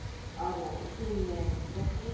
新年だし。